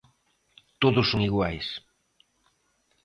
Todos son iguais.